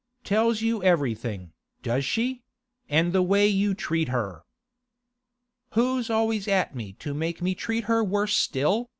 Tells you everything, does she?—and the way you treat her!' 'Who's always at me to make me treat her worse still?